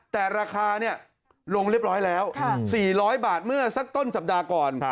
แต่ราคาลงเรียบร้อยแล้ว๔๐๐บาทเมื่อสักต้นสัปดาห์ก่อน